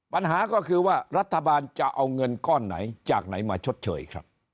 ปัญหาก็คือว่ารัฐบาลจะเอาเงินก้อนไหนจากไหนมาชดเชยครับ